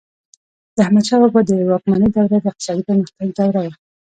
د احمدشاه بابا د واکمنۍ دوره د اقتصادي پرمختګ دوره وه.